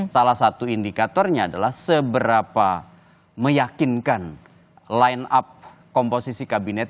salah satu indikatornya adalah seberapa meyakinkan line up komposisi kabinet